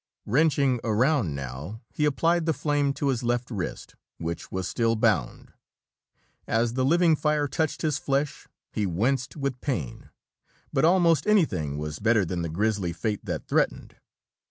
Wrenching around now, he applied the flame to his left wrist, which was still bound. As the living fire touched his flesh, he winced with pain, but almost anything was better than the grisly fate that threatened.